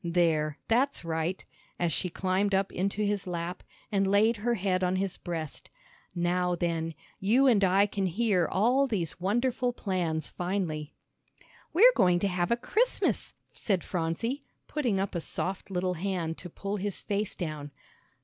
"There, that's right," as she climbed up into his lap, and laid her head on his breast. "Now then, you and I can hear all these wonderful plans finely." "We're going to have a Christmas," said Phronsie, putting up a soft little hand to pull his face down.